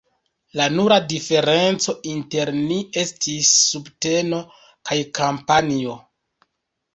La nura diferenco inter ni estis subteno kaj kampanjo.